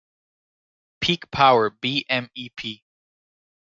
Peak power b.m.e.p.